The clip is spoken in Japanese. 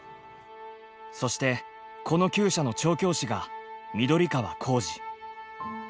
そしてこのきゅう舎の調教師が緑川光司。